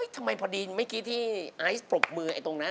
ทำไมพอดีเมื่อกี้ที่ไอซ์ปรบมือไอ้ตรงนั้น